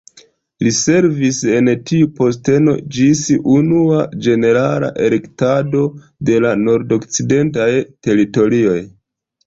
Li servis en tiu posteno ĝis la Unua ĝenerala elektado de la Nordokcidentaj Teritorioj.